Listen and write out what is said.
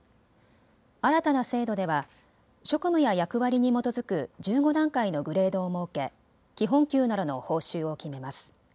新たな制度では職務や役割に基づく１５段階のグレードを設け基本給などの報酬を決めます。